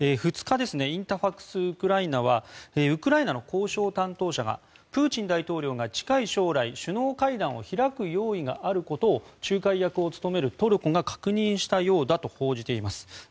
２日インタファクス・ウクライナはウクライナの交渉担当者がプーチン大統領が近い将来首脳会談を開く用意があることを仲介役を務めるトルコが確認したようだと報じています。